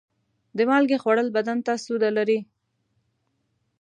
د مالګې خوړل بدن ته سوده لري.